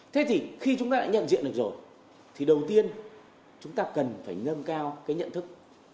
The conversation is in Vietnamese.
thế thì khi chúng ta đã nhận diện được rồi thì đầu tiên chúng ta cần phải nâng cao cái nhận thức